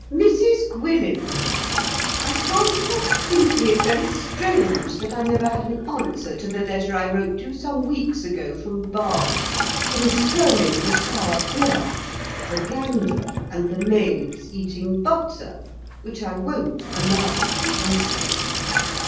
MRS GWYLLIM, I can't help thinking it very strange, that I never had an answer to the letter I wrote you some weeks ago from Bath, concerning the sour bear, the gander, and the maids eating butter, which I won't allow to be wasted.